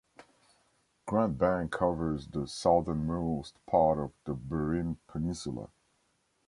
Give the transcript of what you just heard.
Grand Bank covers the southernmost part of the Burin Peninsula.